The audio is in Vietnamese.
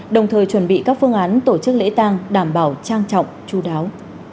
đồng thời chuẩn bị các phương án tổ chức lễ tang đảm bảo trang trọng chú đáo